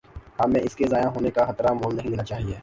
ہمیں اس کے ضائع ہونے کا خطرہ مول نہیں لینا چاہیے۔